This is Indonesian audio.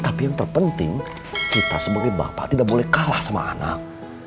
tapi yang terpenting kita sebagai bapak tidak boleh kalah sama anak